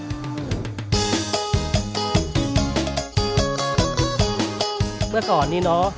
คนอีสานก็นิยมกินปลาร้าดิบสุกอย่างเงี้ยคือมันอร่อย